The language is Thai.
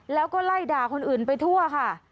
แล้วก็ไล่ด่าคนอื่นไปทั่วค่ะ